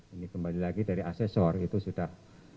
ini kembali lagi dari asesor itu sudah